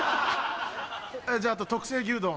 じゃああと特製牛丼。